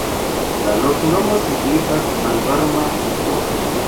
La loknomo signifas: malvarma-puto.